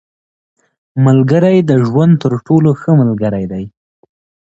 • ملګری د ژوند تر ټولو ښه ملګری دی.